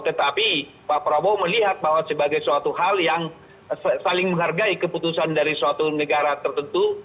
tetapi pak prabowo melihat bahwa sebagai suatu hal yang saling menghargai keputusan dari suatu negara tertentu